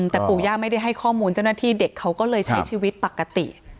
แต่ปู่ย่าไม่ได้ให้ข้อมูลเจ้าหน้าที่เด็กเขาก็เลยใช้ชีวิตปกติ